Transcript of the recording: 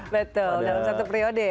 betul dalam satu periode